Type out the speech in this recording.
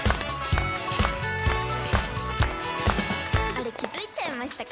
あれ気付いちゃいましたか？